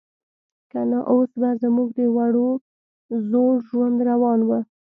که نه اوس به زموږ د وړو زړو ژوند روان و.